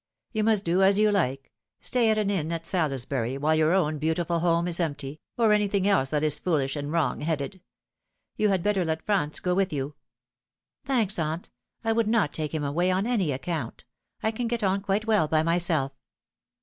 You must do as you like stay at an inn at Salisbury, while your own beautiful home is empty, or anything else thafi is foolish and wrong headed. You had better let Franz go with you." " Thanks, aunt ; I would not take him away on any account. I can get on quite well by myself."